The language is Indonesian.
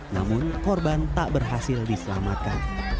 namun korban tak berhasil diselamatkan